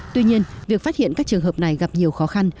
tuy nhiên việc phát hiện các trường hợp này gặp nhiều khó khăn